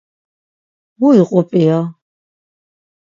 Mu iqu p̌ia?